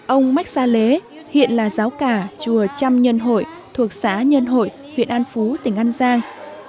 ông mách gia lễ hiện là giáo cả chùa trăm nhân hội thuộc xã nhân hội huyện an phú tỉnh an giang